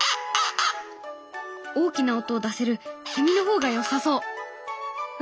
大きな音を出せるセミの方がよさそう。